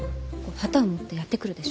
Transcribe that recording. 旗を持ってやって来るでしょ？